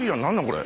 これ。